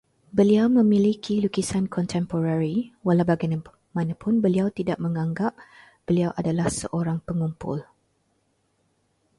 Beliau memiliki lukisan kontemporari, walaubagaimanapun beliau tidak menganggap beliau adalah seorang pengumpul